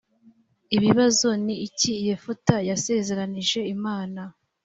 ibibazo ni iki yefuta yasezeranyije imana